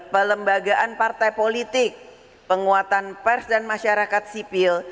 pelembagaan partai politik penguatan pers dan masyarakat sipil